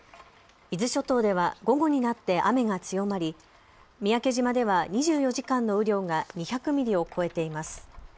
伊豆諸島では午後になって雨が強まり、三宅島では２４時間の雨量が２００ミリを超えています。